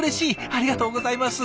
ありがとうございます。